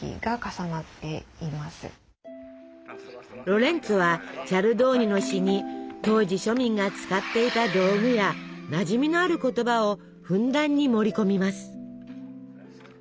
ロレンツォはチャルドーニの詩に当時庶民が使っていた道具やなじみのある言葉をふんだんに盛り込みます。